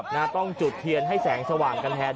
นะต้องจุดเทียนให้แสงสว่างกันแทน